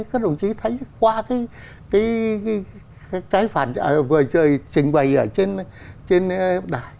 các đồng chí thấy qua cái trình bày trên đài